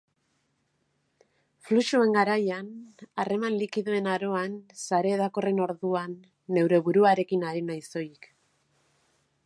Fluxuen garaian, harreman likidoen aroan, sare hedakorren orduan, neure buruarekin ari naiz soilik.